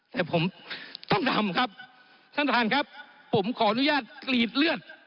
แต่ผมต้องทำครับท่านประธานครับผมขออนุญาตกรีดเลือด